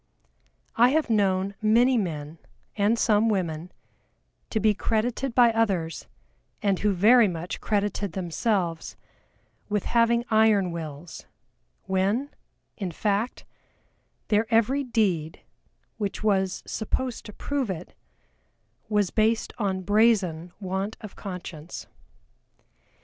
I have known many men, and some women, to be credited by others, and who very much credited themselves, with having iron wills, when, in fact, their every deed, which was supposed to prove it, was based on brazen want of conscience.